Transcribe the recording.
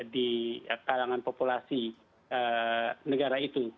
di kalangan populasi negara itu